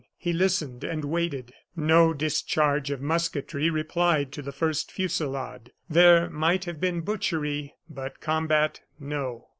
He listened and waited. No discharge of musketry replied to the first fusillade. There might have been butchery, but combat, no.